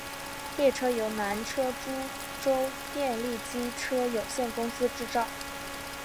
列车由南车株洲电力机车有限公司制造。